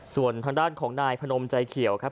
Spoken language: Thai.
ส่วนทางด้านของนายพนมใจเขียวครับ